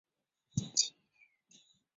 大久保通以此交差点为起点。